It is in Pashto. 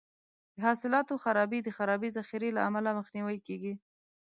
د حاصلاتو خرابي د خرابې ذخیرې له امله مخنیوی کیږي.